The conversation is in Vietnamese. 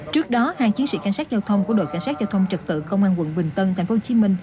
trước đó hai chiến sĩ canh sát giao thông của đội canh sát giao thông trực tự công an quận bình tân tp hcm